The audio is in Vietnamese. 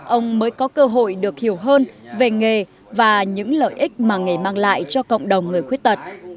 ông mới có cơ hội được hiểu hơn về nghề và những lợi ích mà nghề mang lại cho cộng đồng người khuyết tật